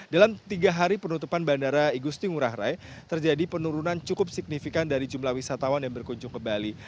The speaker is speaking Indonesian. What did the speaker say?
dalam tiga hari penutupan bandara igusti ngurah rai terjadi penurunan cukup signifikan dari jumlah wisatawan yang berkunjung ke bali